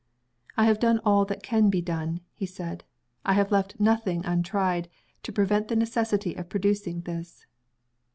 "I have done all that can be done," he said. "I have left nothing untried, to prevent the necessity of producing this."